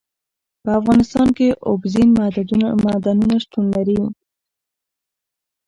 په افغانستان کې اوبزین معدنونه شتون لري.